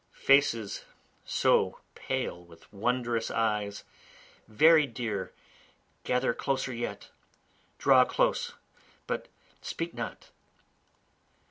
Faces so pale with wondrous eyes, very dear, gather closer yet, Draw close, but speak not.